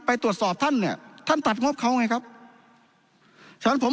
ไปตรวจสอบท่านเนี่ยท่านตัดงบเขาไงครับฉะนั้นผม